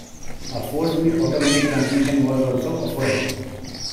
A four-speed automatic transmission was also offered.